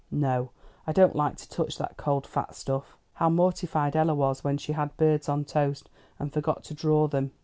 No, I don't like to touch that cold, fat stuff. How mortified Ella was, when she had birds on toast and forgot to draw them.